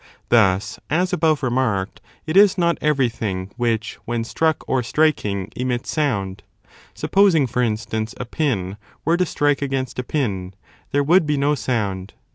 Thus, as above remarked, it is not everything which, when struck or striking, emits sound: supposing, for instance, a pin were to strike against a pin, there would be no sound.